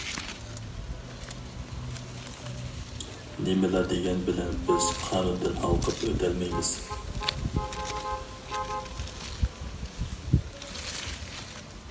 نېمىلا دېگەنبىلەن بىز قانۇندىن ھالقىپ ئۆتەلمەيمىز.